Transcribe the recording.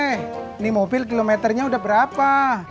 eh ini mobil kilometernya udah berapa